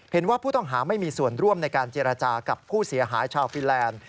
เห็นว่าผู้ต้องหาไม่มีส่วนร่วมในการเจรจากับผู้เสียหายชาวฟินแลนด์